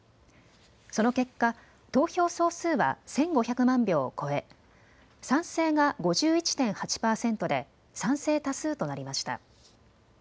その結果、投票総数は１５００万票を超え賛成が５１．８％で賛成多数となりました。